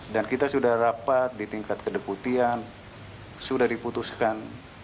dan kita sudah rapat di tingkat kedeputian sudah diputuskan